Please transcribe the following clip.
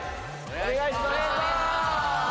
お願いします！